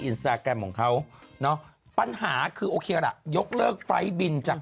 อินสตาแกรมของเขาเนอะปัญหาคือโอเคล่ะยกเลิกไฟล์บินจาก